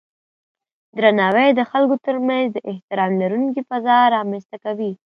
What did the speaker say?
درناوی د خلکو ترمنځ د احترام لرونکی فضا رامنځته کوي.